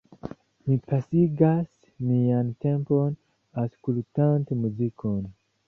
Mi pasigas mian tempon aŭskultante muzikon.